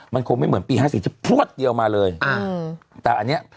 มันคงไม่เหมือนปีห้าสี่จะพลวดเดียวมาเลยแต่อันเนี้ย